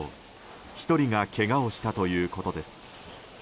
１人がけがをしたということです。